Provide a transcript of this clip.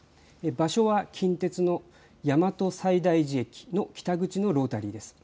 場所は近鉄の大和西大寺駅の北口のロータリーです。